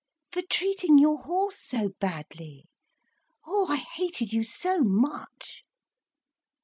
"For treating your horse so badly. Oh, I hated you so much!"